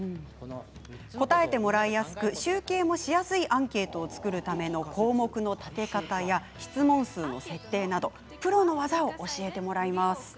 答えてもらいやすく集計もしやすいアンケートを作るための項目の立て方や質問数の設定などプロの技を教えてもらいます。